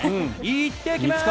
行ってきます！